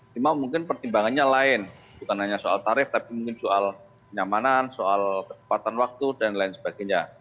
cuma mungkin pertimbangannya lain bukan hanya soal tarif tapi mungkin soal nyamanan soal ketepatan waktu dan lain sebagainya